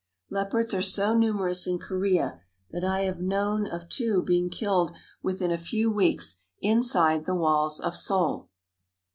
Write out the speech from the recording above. Leopards are so numerous in Korea that I have known of two being killed within a few weeks inside of the walls of Seoul.